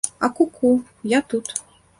А ку-ку, я тут.